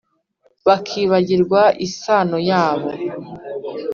Bakibagirwa isano yabo